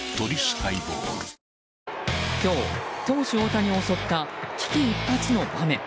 今日、投手・大谷を襲った危機一髪の場面。